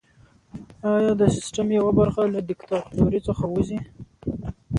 ایا د سیستم یوه برخه له دیکتاتورۍ څخه وځي؟